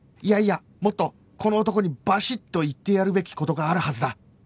いやいやもっとこの男にバシッと言ってやるべき事があるはずだ